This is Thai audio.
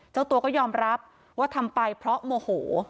เจ้าตัวก็ยอมรับว่าทำไปเพราะโมโห